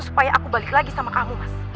supaya aku balik lagi sama kamu mas